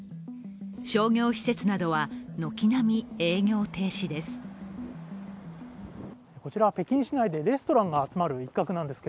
商業施設などは軒並み営業停止です。